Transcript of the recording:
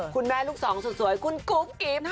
คุณแม่ลูกสองสวยคุณกุ๊บกิ๊บค่ะ